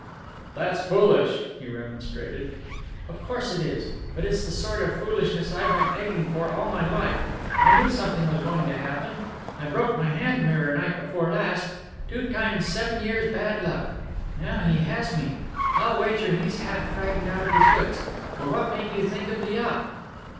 "That's foolish," he remonstrated. "Of course it is. But it's the sort of foolishness I've been aching for all my life. I knew something was going to happen. I broke my hand mirror night before last. Two times seven years' bad luck. Now he has me, I'll wager he's half frightened out of his wits. But what made you think of the yacht?"